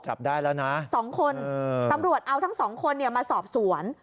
จับได้แล้วนะสองคนตำรวจเอาทั้งสองคนเนี่ยมาสอบสวน